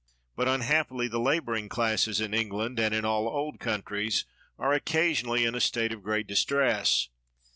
But, unhappily, the laboring classes in England, and in all old countries, arc occasionally in a state of great distress.